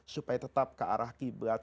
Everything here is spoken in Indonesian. supaya tetap ke arah qiblat